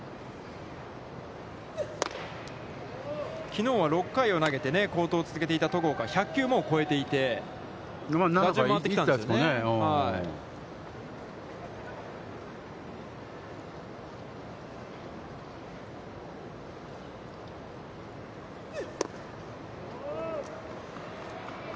きのうは６回を投げて好投を続けていた戸郷が１００球をもう超えていて打順が回ってきたですもんね。